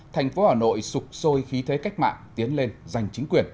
thành phố hà nội sụp sôi khí thế cách mạng tiến lên giành chính quyền